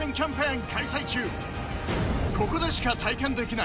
ここでしか体験できない